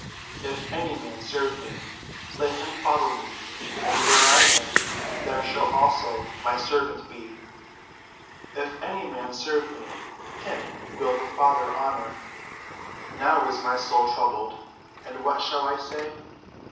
If any man serve me, let him follow me; and where I am, there shall also my servant be: if any man serve me, him will the Father honor. Now is my soul troubled; and what shall I say?